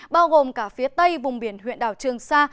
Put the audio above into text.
bao gồm cả phía tây vùng biển huyện đảo trường sa